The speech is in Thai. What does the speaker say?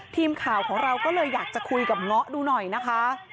ทีมข่าวของเราก็เลยอยากจะคุยกับเงาะดูหน่อยนะคะ